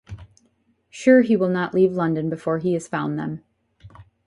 Sure he will not leave London before he has found them.